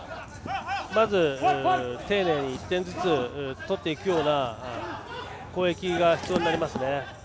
まず、丁寧に１点ずつ取っていくような攻撃が必要になりますね。